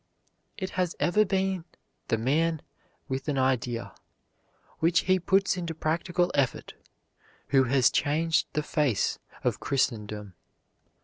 It has ever been the man with an idea, which he puts into practical effect, who has changed the face of Christendom.